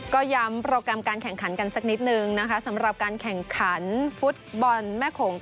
ก็ย้ำโปรแกรมการแข่งขันกันสักนิดนึงนะคะสำหรับการแข่งขันฟุตบอลแม่โขง